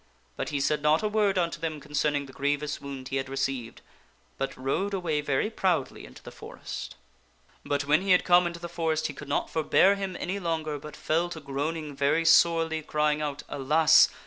But he said not a word unto them concerning the grievous wound he had received, but rode away very proudly into the forest. But when he had come into the forest he could not forbear him any longer, but fell to groaning very sorely, crying out, " Alas